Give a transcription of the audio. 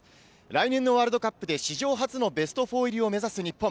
来年のワールドカップで史上初のベスト４入りを目指す日本。